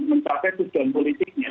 mencapai tujuan politiknya